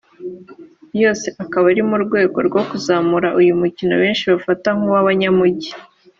yose akaba ari mu rwego rwo kuzamura uyu mukino benshi bafata nk’uw’abanyamujyi